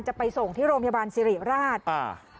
จะไปส่งที่โรงพยาบาลสิริราชอ่า